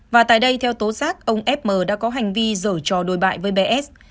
và tại đây theo tố xác ông f m đã có hành vi dở trò đối bại với bé s